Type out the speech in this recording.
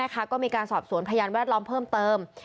ก็มีการสอบสวนพยานแวดล้อมเพิ่มเติม